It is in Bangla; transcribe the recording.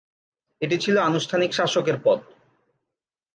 এটি ছিল আনুষ্ঠানিক শাসকের পদ।